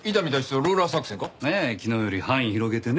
昨日より範囲を広げてね。